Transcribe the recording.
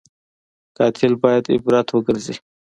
قاتل باید عبرت وګرځي